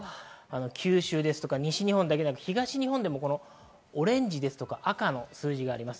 九州、西日本だけではなく、東日本でもオレンジ、赤の数字があります。